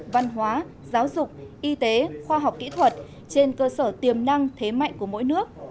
văn hóa giáo dục y tế khoa học kỹ thuật trên cơ sở tiềm năng thế mạnh của mỗi nước